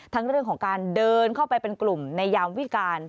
เรื่องของการเดินเข้าไปเป็นกลุ่มในยามวิการ